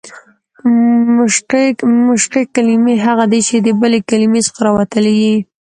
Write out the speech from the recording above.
مشقي کلیمې هغه دي، چي د بلي کلیمې څخه راوتلي يي.